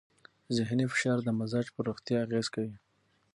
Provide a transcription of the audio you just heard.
ذهنې فشار د مزاج پر روغتیا اغېز کوي.